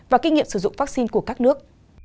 và kinh nghiệm sử dụng vaccine của các nước